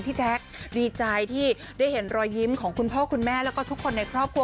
แจ๊คดีใจที่ได้เห็นรอยยิ้มของคุณพ่อคุณแม่แล้วก็ทุกคนในครอบครัว